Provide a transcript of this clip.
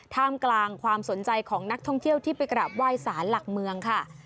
ท่ามกลางความสนใจของนักท่องเที่ยวที่ไปกราบไหว้สารหลักเมืองค่ะ